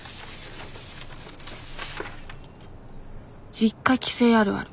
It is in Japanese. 実家帰省あるある。